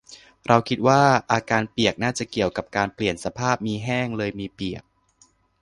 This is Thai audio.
เราคิดว่า อาการเปียกน่าจะเกี่ยวกับการเปลี่ยนสภาพ มีแห้ง เลยมีเปียก